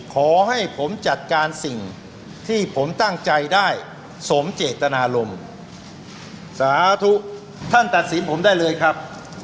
ขอให้ผมจัดการสิ่งที่ผมตั้งใจได้สมเจตนารมณ์สาธุท่านตัดสินผมได้เลยครับ